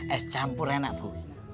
es campur enak bu